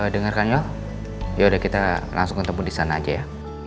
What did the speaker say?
dengarkan yuk yaudah kita langsung ketemu di sana aja ya